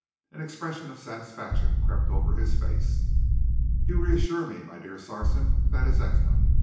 An expression of satisfaction crept over his face. "You reassure me, my dear Sarson. That is excellent.